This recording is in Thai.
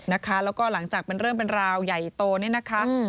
แล้วก็หลังจากเป็นเรื่องเป็นราวใหญ่โตนี่นะคะ